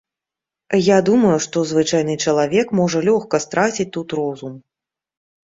Я думаю, што звычайны чалавек можа лёгка страціць тут розум.